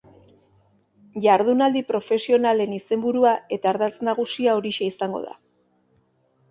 Jardunaldi profesionalen izenburua eta ardatz nagusia horixe izango da.